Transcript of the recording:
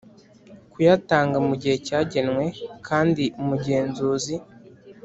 kuyatanga mu gihe cyagenwe kandi umugenzuzi